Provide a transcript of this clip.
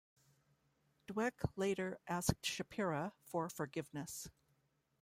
Dwek later asked Shapira for forgiveness.